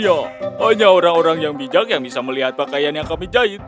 ya hanya orang orang yang bijak yang bisa melihat pakaian yang kami jahit